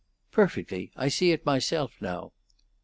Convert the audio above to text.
'Perfectly. I see it myself, now.'